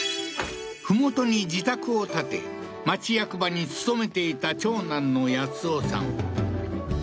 麓に自宅を建て町役場に勤めていた長男の保男さん